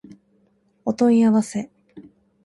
お問い合わせ